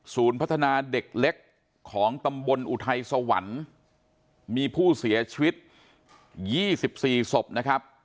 พัฒนาเด็กเล็กของตำบลอุทัยสวรรค์มีผู้เสียชีวิต๒๔ศพนะครับ